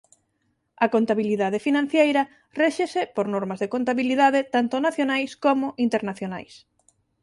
A contabilidade financeira réxese por normas de contabilidade tanto nacionais como internacionais.